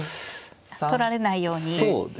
取られないように。